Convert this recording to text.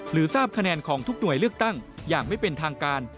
ทราบคะแนนของทุกหน่วยเลือกตั้งอย่างไม่เป็นทางการ